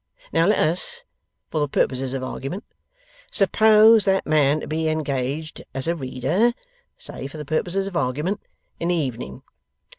Now let us (for the purposes of argueyment) suppose that man to be engaged as a reader: say (for the purposes of argueyment) in the evening.